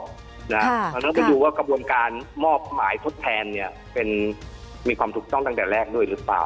เพราะฉะนั้นไปดูว่ากระบวนการมอบหมายทดแทนมีความถูกต้องตั้งแต่แรกด้วยหรือเปล่า